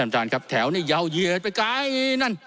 ท่านครับแถวนี้ยาวเหยียดไปไกลนั่น